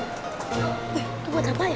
itu buat apa ya